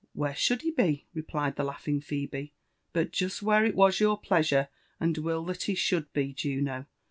" Where should he be," replied the laug^ng Phebe, "but just where it was your pleasure and will that he should be, Juno?